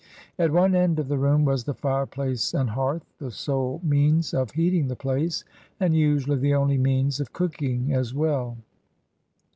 At one end of the room was the fireplace and hearth, the sole means 14 210 CRUSADEBS OF NEW FRANCE of heating the place, and usually the only means of cooking as well.